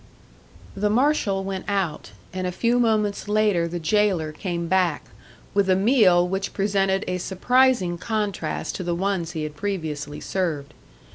The marshal went out, and a few moments later the jailer came back, with a meal which presented a surprising contrast to the ones he had previously served.